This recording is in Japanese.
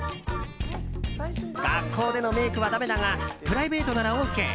学校でのメイクはだめだがプライベートならＯＫ。